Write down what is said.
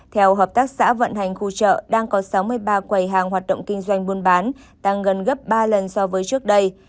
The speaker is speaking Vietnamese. theo hợp tác xã vận hành khu chợ đang có sáu mươi ba quầy hàng hoạt động kinh doanh buôn bán tăng gần gấp ba lần so với trước đây